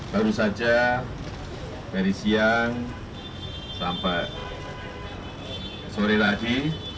baru saja dari siang sampai sore lagi